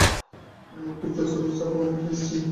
এমনকি প্রস্রাবের চাপও নাকি আসে নি।